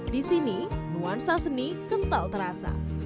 di sini nuansa seni kental terasa